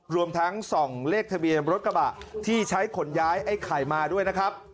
รวมทั้งส่องเลขทะเบียนรถกระบะที่ใช้ขนย้ายไอ้ไข่มาด้วยนะครับ